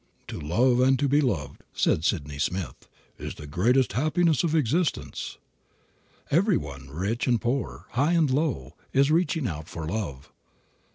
"To love, and to be loved," said Sydney Smith, "is the greatest happiness of existence." Every one, rich and poor, high and low, is reaching out for love.